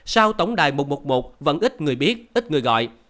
sao tổng đài một trăm một mươi một vẫn ít người biết ít người gọi